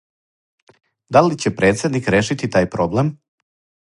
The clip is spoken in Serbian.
Да ли ће председник решити тај проблем?